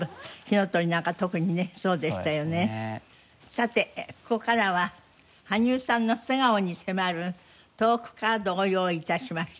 さてここからは羽生さんの素顔に迫るトークカードを用意致しました。